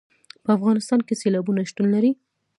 په افغانستان کې سیلابونه شتون لري.